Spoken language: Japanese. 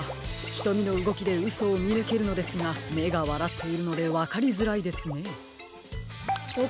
ひとみのうごきでうそをみぬけるのですがめがわらっているのでわかりづらいですね。